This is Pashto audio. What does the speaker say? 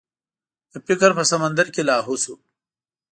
د فکر په سمندر کې لاهو شو.